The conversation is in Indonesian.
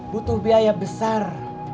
butuh biaya besar